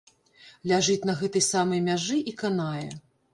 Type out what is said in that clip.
Ляжыць на гэтай самай мяжы і канае.